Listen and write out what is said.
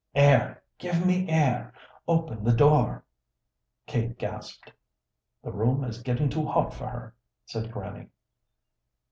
"Air! Give me air! open the door!" Kate gasped. "The room is getting too hot for her," said Grannie.